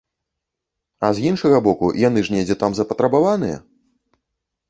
А з іншага боку, яны ж недзе там запатрабаваныя!